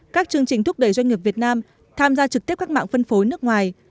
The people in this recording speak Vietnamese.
các chương trình thúc đẩy doanh nghiệp việt nam tham gia trực tiếp các mạng phân phối nước ngoài